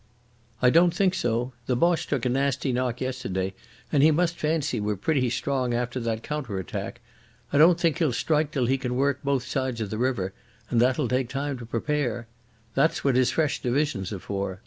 "I don't think so. The Boche took a nasty knock yesterday, and he must fancy we're pretty strong after that counter attack. I don't think he'll strike till he can work both sides of the river, and that'll take time to prepare. That's what his fresh divisions are for....